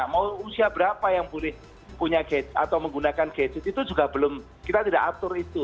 mau usia berapa yang boleh punya gadge atau menggunakan gadget itu juga belum kita tidak atur itu